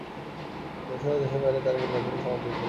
দেশে ও দেশের বাইরে তার লেখনী সমাদৃত হয়েছে।